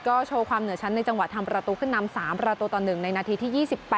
ก็โชว์ความเหนือชั้นในจังหวะทำประตูขึ้นนำ๓ประตูต่อ๑ในนาทีที่๒๘